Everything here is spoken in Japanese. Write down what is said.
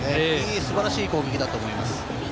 素晴らしい攻撃だったと思います。